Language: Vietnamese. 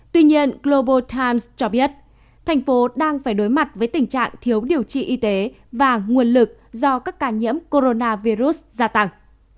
tuy nhiên global times cho biết thành phố đang phải đối mặt với tình trạng thiếu điều trị y tế và nguồn lực do các ca nhiễm corona virus gia tăng